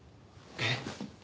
えっ？